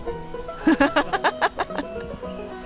ハハハハ！